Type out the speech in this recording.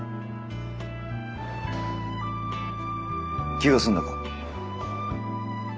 気が済んだか？